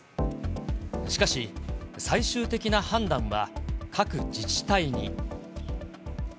しかし、最終的な判断は各自治体に。